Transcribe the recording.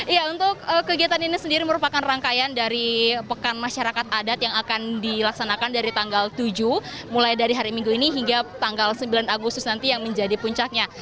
iya untuk kegiatan ini sendiri merupakan rangkaian dari pekan masyarakat adat yang akan dilaksanakan dari tanggal tujuh mulai dari hari minggu ini hingga tanggal sembilan agustus nanti yang menjadi puncaknya